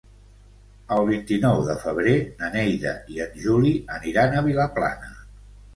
El vint-i-nou de febrer na Neida i en Juli aniran a Vilaplana.